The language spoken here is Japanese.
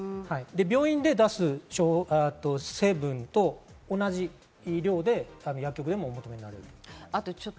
病院で出す成分と同じ量で薬局でもお求めになれます。